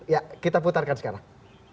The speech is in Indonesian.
ya kita putarkan sekarang